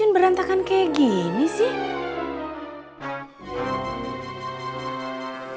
berantakan kayak gini sih